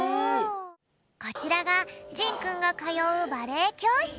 こちらがじんくんがかようバレエきょうしつ。